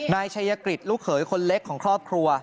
นายชัยกฤษลูกเขยคนเล็กของครอบครัว